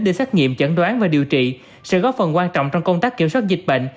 đi xét nghiệm chẩn đoán và điều trị sẽ góp phần quan trọng trong công tác kiểm soát dịch bệnh